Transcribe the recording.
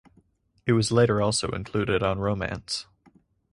It was later also included on "Romance".